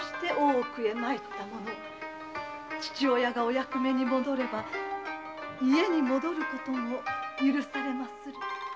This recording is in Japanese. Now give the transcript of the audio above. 父親がお役目に戻れば家に戻ることも許されまする。